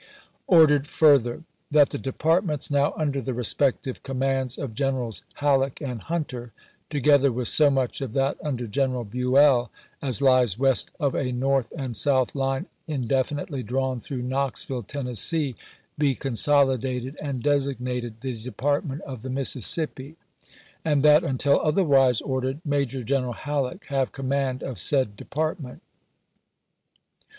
Ordered further, That the departments now under the respective commands of (xenerals Halleck and Hunter, together with so much of that under General Buell as lies west of a north and south hne indefinitely drawn throuf^h KnoxviHc, Tcnn., be consolidated and designated the Depui tment of the Mississippi, and that, until other MANASSAS EVACUATED 179 wise ordered, Major General Halleek have command of said department.